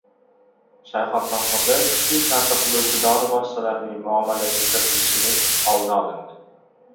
Shayxontohurda kuchli ta’sir qiluvchi dori vositalarining muomalaga kiritilishining oldi olindi